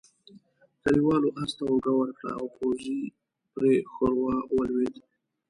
کليوالو آس ته اوږه ورکړه او پوځي پر ښوروا ولوېد.